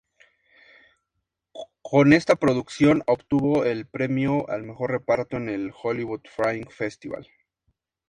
Con esta producción obtuvo el premio al mejor reparto en el Hollywood Fringe Festival.